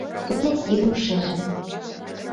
Соня тидым шижын.